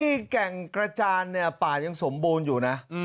นี่แก่งกระจานเนี่ยป่ายังสมบูรณ์อยู่นะ